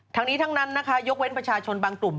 ทั้งนี้ทั้งนั้นนะคะยกเว้นประชาชนบางกลุ่ม